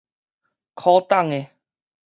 許董的